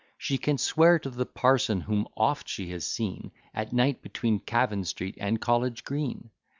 She can swear to the Parson whom oft she has seen At night between Cavan Street and College Green.